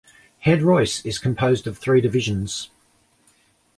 Head-Royce is composed of three divisions.